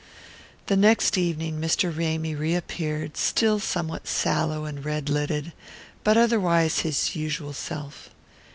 The next evening, Mr. Ramy reappeared, still somewhat sallow and red lidded, but otherwise his usual self.